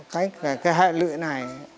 cái hệ lụy này